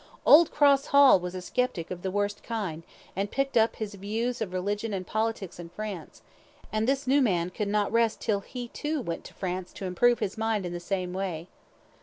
Old Cross Hall was a sceptic of the worst kind, and picked up his views of religion and politics in France, and this new man could not rest till he too went to France to improve his mind in the same way.